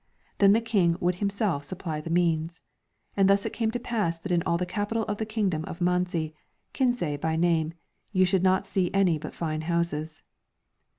Then the King would himself supply the means. And thus it came to pass that in all the capital of the kingdom of Manzi, Kinsay by name, you should not see any but fine houses.